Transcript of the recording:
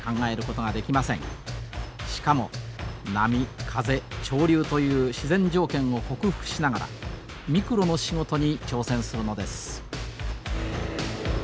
しかも波風潮流という自然条件を克服しながらミクロの仕事に挑戦するのです。